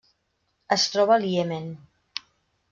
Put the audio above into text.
Es troba al Iemen.